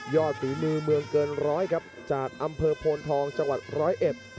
ฝีมือเมืองเกินร้อยครับจากอำเภอโพนทองจังหวัดร้อยเอ็ด